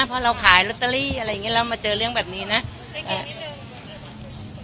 เพราะเราขายล็อตเตอรี่อะไรอย่างเงี้ยเรามาเจอเรื่องแบบนี้นะแกะนิดหนึ่ง